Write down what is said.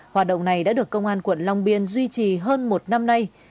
hoạt động này đã được công an quận long biên duy trì hơn một năm nay